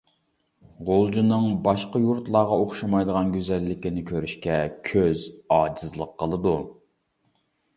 غۇلجىنىڭ باشقا يۇرتلارغا ئوخشىمايدىغان گۈزەللىكىنى كۆرۈشكە كۆز ئاجىزلىق قىلىدۇ.